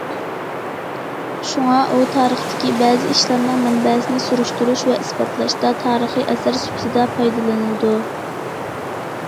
شۇڭا ئۇ تارىختىكى بەزى ئىشلارنىڭ مەنبەسىنى سۈرۈشتۈرۈش ۋە ئىسپاتلاشتا تارىخىي ئەسەر سۈپىتىدە پايدىلىنىلىدۇ.